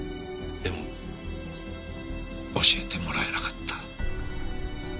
でも教えてもらえなかった。